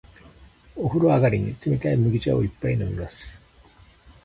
お風呂上がりに、冷たい麦茶を一杯飲みます。